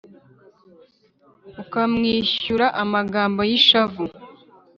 ukamwishyura amagambo y’ishavu,